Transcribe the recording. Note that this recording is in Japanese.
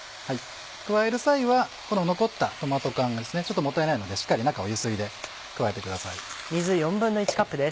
加える際はこの残ったトマト缶ちょっともったいないのでしっかり中をゆすいで加えてください。